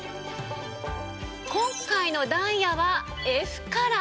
今回のダイヤはＦカラー！